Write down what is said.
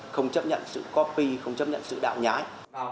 không chấp nhận sự copy không chấp nhận sự đạo nhái